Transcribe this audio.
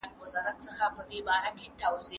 که موږ يو بل ونه زغمو نو ټولنه نړېږي.